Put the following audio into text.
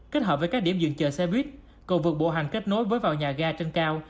kết hợp với các điểm dừng chờ xe buýt cầu vượt bộ hành kết nối với vào nhà ga trên cao